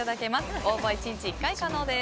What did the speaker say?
応募は１日１回可能です。